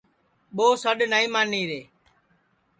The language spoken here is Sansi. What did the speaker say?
ٻو سڈؔ نائی مانی رے